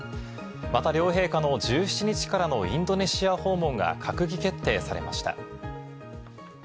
また両陛下の１７日からのインドネシア訪問が閣議決定されました。